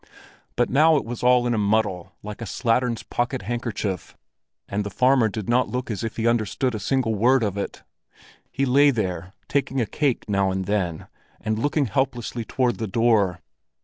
But now it was all in a muddle like a slattern's pocket handkerchief, and the farmer did not look as if he had understood a single word of it. He lay there, taking a cake now and then, and looking helplessly toward the door.